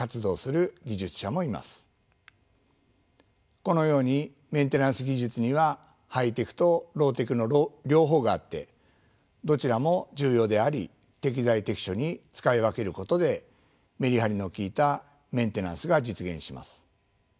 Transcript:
このようにメンテナンス技術にはハイテクとローテクの両方があってどちらも重要であり適材適所に使い分けることでメリハリの利いたメンテナンスが実現します。